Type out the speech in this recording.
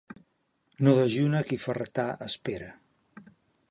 No dejuna qui fartar espera.